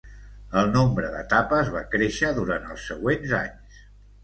El nombre d'etapes va créixer durant els següents anys.